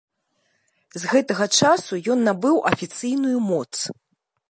З гэтага часу ён набыў афіцыйную моц.